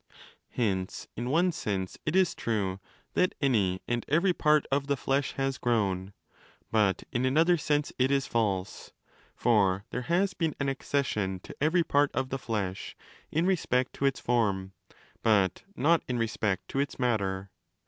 Hence in one sense it is true that any and every part of the flesh has grown; but in another sense it is false. For there has been an accession to every part of the flesh in respect to its form, but not in respect to its matter.